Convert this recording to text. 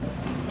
bu mau cek